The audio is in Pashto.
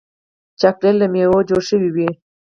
چاکلېټ له میوو جوړ شوی وي.